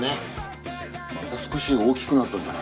また少し大きくなったんじゃないか？